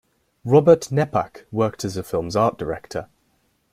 Robert Neppach worked as the film's art director.